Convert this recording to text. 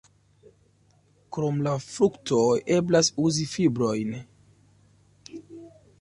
Krom la fruktoj eblas uzi fibrojn.